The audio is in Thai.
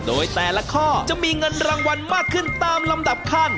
โดยแต่ละข้อจะมีเงินรางวัลมากขึ้นตามลำดับขั้น